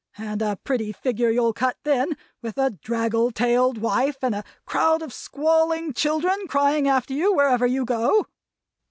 And a pretty figure you'll cut then, with a draggle tailed wife and a crowd of squalling children crying after you wherever you go!"